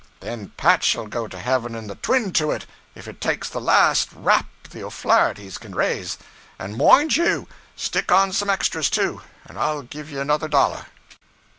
'"Then Pat shall go to heaven in the twin to it, if it takes the last rap the O'Flaherties can raise; and moind you, stick on some extras, too, and I'll give ye another dollar."